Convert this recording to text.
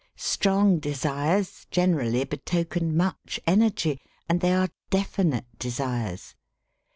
Strong desires generally betoken much energy, and they are definite desires.